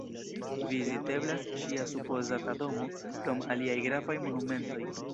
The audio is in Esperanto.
Viziteblas ŝia supozata domo, krom aliaj gravaj monumentoj.